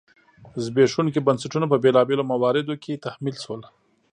زبېښونکي بنسټونه په بېلابېلو مواردو کې تحمیل شول.